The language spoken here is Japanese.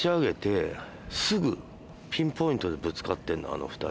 あの２人。